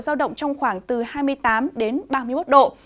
giao động trong khoảng từ hai mươi tám đến ba mươi một độ